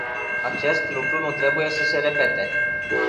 Acest lucru nu trebuie să se repete.